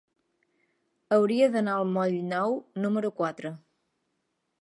Hauria d'anar al moll Nou número quatre.